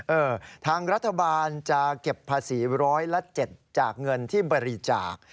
เออทางรัฐบาลจะเก็บภาษีร้อยละ๗จากเงินที่บริจาค